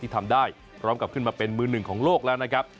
ทำได้พร้อมกับขึ้นมาเป็นมือหนึ่งของโลกแล้วนะครับ